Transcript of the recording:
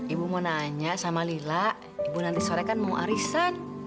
ibu mau nanya sama lila ibu nanti sore kan mau arisan